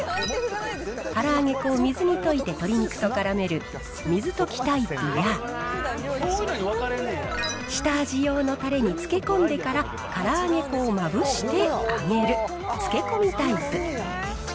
から揚げ粉を水に溶いて鶏肉とからめる水溶きタイプや、下味用のたれに漬け込んでから、から揚げ粉をまぶして揚げる、漬け込みタイプ。